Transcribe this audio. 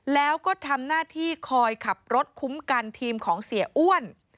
แล้วก็ทำหน้าที่คอยขับรถคุ้มกันทีมของเสียอ้วน